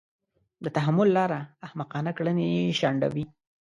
د تحمل لاره احمقانه کړنې شنډوي.